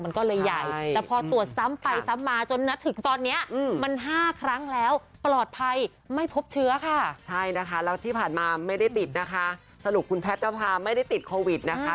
มาสรุปคุณแพทย์จะพาไม่ได้ติดโควิดนะคะ